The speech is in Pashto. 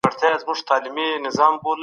کمپيوټر بېنر جوړوي.